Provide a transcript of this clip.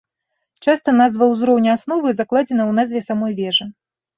Часта, назва ўзроўня асновы закладзена ў назве самой вежы.